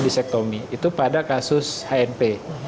pada kondisi sektomi itu pada kasus hnp